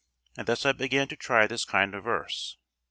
And thus I began to try this kind of verse.